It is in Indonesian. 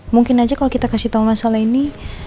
mungkin aja kalo kita kasih tau masalah ini